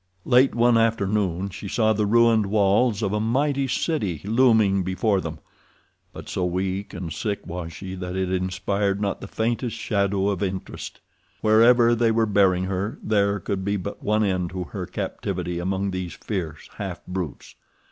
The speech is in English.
Late one afternoon she saw the ruined walls of a mighty city looming before them, but so weak and sick was she that it inspired not the faintest shadow of interest. Wherever they were bearing her, there could be but one end to her captivity among these fierce half brutes.